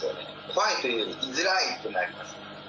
怖いというより居づらくなります。